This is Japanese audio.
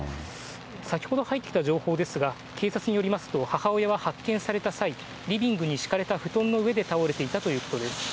先ほど入ってきた情報ですが、警察によりますと、母親は発見された際、リビングに敷かれた布団の上で倒れていたということです。